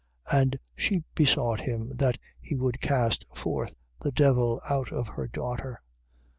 And she besought him that he would cast forth the devil out of her daughter.